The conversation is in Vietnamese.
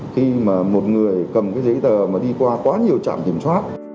khi mà một người cầm cái giấy tờ mà đi qua quá nhiều trạm kiểm soát